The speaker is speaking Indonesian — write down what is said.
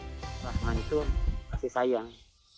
rahman itu kasih sayang